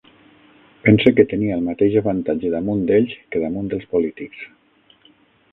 Pense que tenia el mateix avantatge damunt d'ells que damunt els polítics.